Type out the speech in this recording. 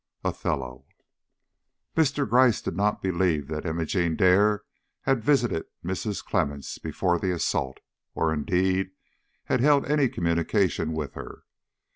OTHELLO. MR. GRYCE did not believe that Imogene Dare had visited Mrs. Clemmens before the assault, or, indeed, had held any communication with her.